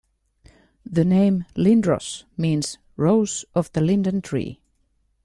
The name "Lindros" means "Rose of the Linden tree".